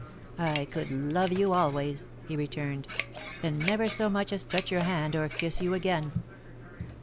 "I could love you always," he returned, "and never so much as touch your hand or kiss you again."